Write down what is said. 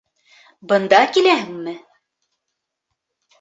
Бында киләһеңме?